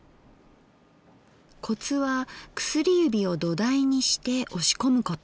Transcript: コツは薬指を土台にして押し込むこと。